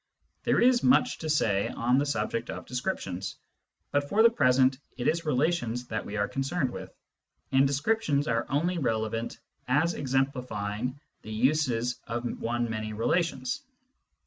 There is much to say on the subject of descriptions, but for the present it is relations that we are concerned with, and descriptions are only relevant as exemplifying the uses of one many relations.